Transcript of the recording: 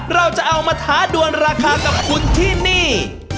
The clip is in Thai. เราจะเอามาท้าดวนราคากับคุณที่นี่